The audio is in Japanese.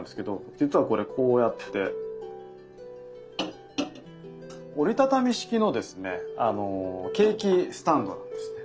実はこれこうやって折り畳み式のですねケーキスタンドなんですね。